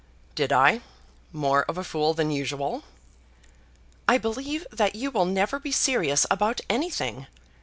"Did I; more of a fool than usual?" "I believe that you will never be serious about anything.